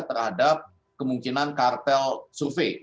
terhadap kemungkinan kartel survei